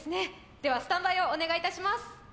ではスタンバイをお願いいたします